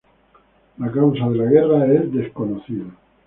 La causa de la guerra es desconocida.